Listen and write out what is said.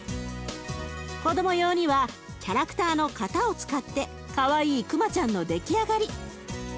子ども用にはキャラクターの型を使ってかわいいクマちゃんの出来上がり。